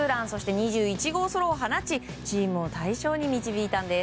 ２１号ソロを放ちチームを大勝に導いたんです。